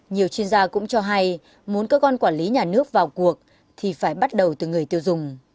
nhiều chuyên gia cũng cho hay muốn cơ quan quản lý nhà nước vào cuộc thì phải bắt đầu từ người tiêu dùng